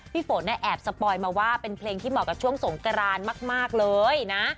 พี่โฟนเนี้ยแอบสปอยมาว่าเป็นเพลงที่เหมาะกับช่วงสงกรานมากมากเลยนะ